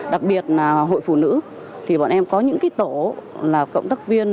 đặc biệt là hội phụ nữ thì bọn em có những tổ là cộng tác viên